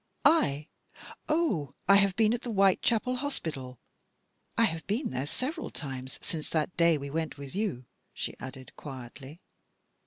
" I ? Oh, I have been at the Whitechapel Hospital. I have been there several times since that day we went with you," she added quietly.